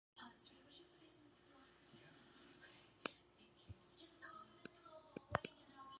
In the course of asymptotic freedom, the strong interaction becomes weaker at higher temperatures.